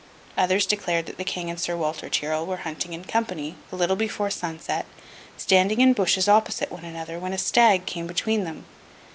Others declared that the King and Sir Walter Tyrrel were hunting in company, a little before sunset, standing in bushes opposite one another, when a stag came between them.